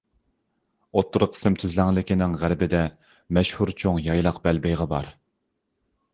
ئوتتۇرا قىسىم تۈزلەڭلىكىنىڭ غەربىدە مەشھۇر چوڭ يايلاق بەلبېغى بار.